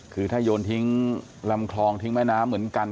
คือถ้าโยนทิ้งลำคลองทิ้งแม่น้ำเหมือนกัน